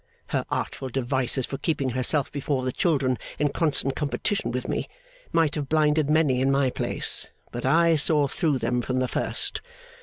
Her artful devices for keeping herself before the children in constant competition with me, might have blinded many in my place; but I saw through them from the first.